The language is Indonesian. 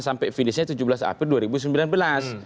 sampai finishnya tujuh belas april dua ribu sembilan belas